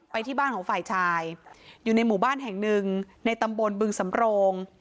ที่บ้านของฝ่ายชายอยู่ในหมู่บ้านแห่งหนึ่งในตำบลบึงสำโรง